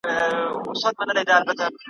هسي نه چي په پردۍ سجده بد نام سو ,